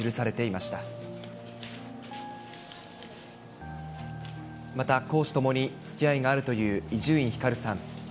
また公私ともにつきあいがあるという伊集院光さん。